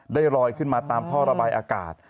ลอยขึ้นมาตามท่อระบายอากาศ